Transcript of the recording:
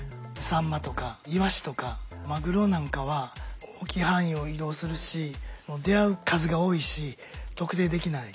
サンマとかイワシとかマグロなんかは大きい範囲を移動するし出会う数が多いし特定できない。